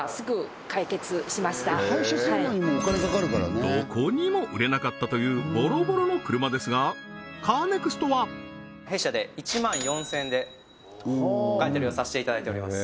はいどこにも売れなかったというボロボロの車ですがカーネクストは弊社で１万４０００円でお買い取りをさせていただいております